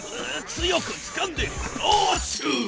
強くつかんでクラッシュ！